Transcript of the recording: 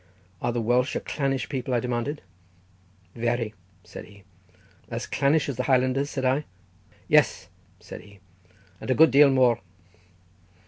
"Are the Welsh a clannish people?" I demanded. "Very," said he. "As clannish as the Highlanders?" said I. "Yes," said he, "and a good deal more."